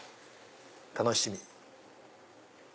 楽しみ。